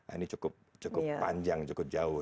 ini cukup panjang cukup jauh